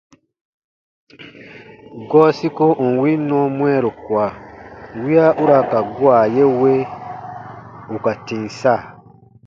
Gɔɔ siko ù n win nɔɔ mwɛɛru kua wiya u ra ka gua ye we ù ka tìm sa.